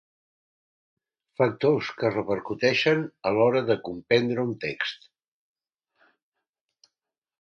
Factors que repercuteixen a l'hora de comprendre un text.